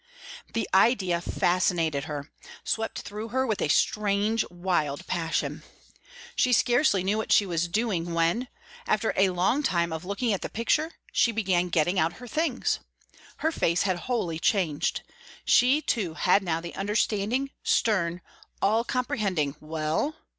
The idea fascinated her swept through her with a strange, wild passion. She scarcely knew what she was doing, when, after a long time of looking at the picture, she began getting out her things. Her face had wholly changed. She too had now the understanding, stern, all comprehending "Well?"